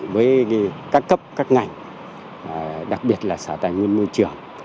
với các cấp các ngành đặc biệt là sở tài nguyên môi trường